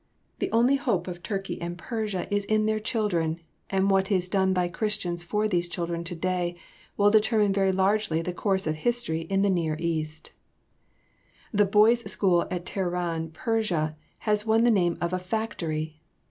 The only hope of Turkey and Persia is in their children, and what is done by Christians for these children today will determine very largely the course of history in the "near East." [Sidenote: Persian school boys.] The boys' school at Teheran, Persia, has won the name of a "factory"!